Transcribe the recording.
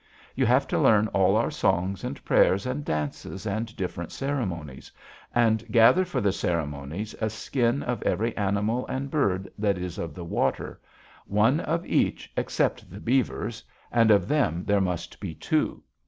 You have to learn all our songs and prayers and dances and different ceremonies, and gather for the ceremonies a skin of every animal and bird that is of the water, one of each except the beavers, and of them there must be two.